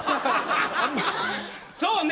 そうね